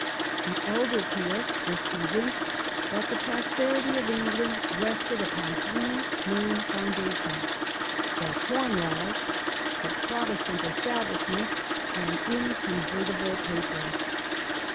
The elder Peel was convinced that the prosperity of England rested upon three main foundations: the Corn Laws, the Protestant i Establishment, and inconvertible paper.